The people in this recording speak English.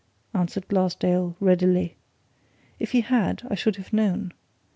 answered Glassdale, readily. "If he had, I should have known.